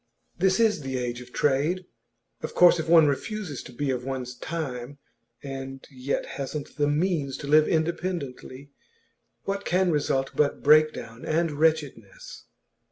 This is the age of trade. Of course if one refuses to be of one's time, and yet hasn't the means to live independently, what can result but breakdown and wretchedness?